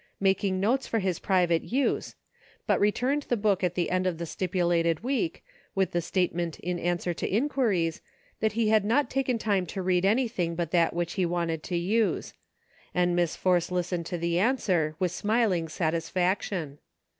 I49 making notes for his private use, but returned the book at the end of the stipulated week, with the statement in answer to inquiries, that he had not taken time to read anything but that which he wanted to use ; and Miss Force Hstened to the answer with smiling satisfaction.